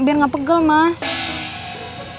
biar gak pegel mas